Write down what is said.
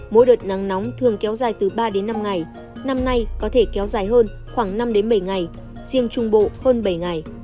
mỗi đợt nắng nóng thường kéo dài từ ba đến năm ngày năm nay có thể kéo dài hơn khoảng năm đến bảy ngày riêng trung bộ hơn bảy ngày